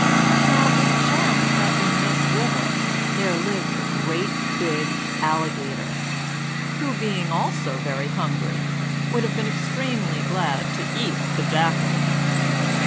Now it chanced that in this river there lived a great big Alligator, who, being also very hungry, would have been extremely glad to eat the Jackal.